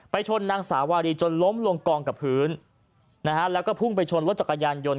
ชนนางสาวารีจนล้มลงกองกับพื้นนะฮะแล้วก็พุ่งไปชนรถจักรยานยนต